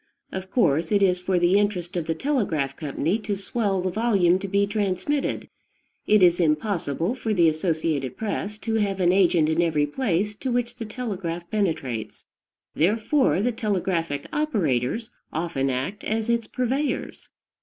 Of course, it is for the interest of the telegraph company to swell the volume to be transmitted. It is impossible for the associated press to have an agent in every place to which the telegraph penetrates: therefore the telegraphic operators often act as its purveyors.